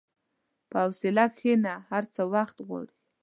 په حوصله کښېنه، هر څه وخت غواړي.